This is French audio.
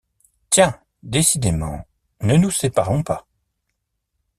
Tiens, décidément, ne nous séparons pas.